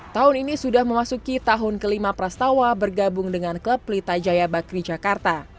tahun ini sudah memasuki tahun kelima prastawa bergabung dengan klub pelita jaya bakri jakarta